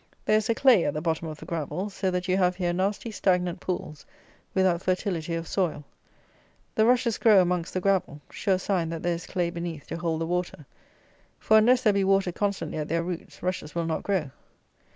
There is a clay at the bottom of the gravel; so that you have here nasty stagnant pools without fertility of soil. The rushes grow amongst the gravel; sure sign that there is clay beneath to hold the water; for, unless there be water constantly at their roots, rushes will not grow.